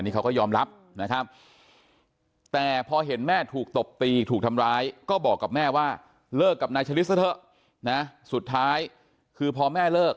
คือเขาก็ยอมรับนะครับ